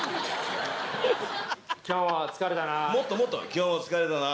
今日も疲れたな。